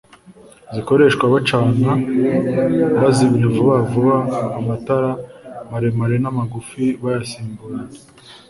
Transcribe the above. zikoreshwa bacana bazimya vuba vuba amatara maremare n’amagufi bayasimburanya